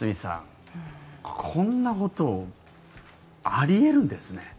堤さん、こんなことあり得るんですね。